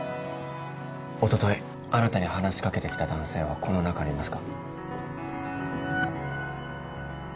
おとといあなたに話しかけてきた男性はこの中にいますか？